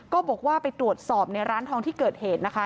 ก็บอกว่าไปตรวจสอบในร้านทองที่เกิดเหตุนะคะ